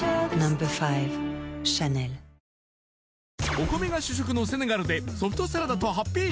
お米が主食のセネガルでソフトサラダとハッピー